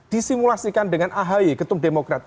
disimulasikan dengan ahy ketum demokrat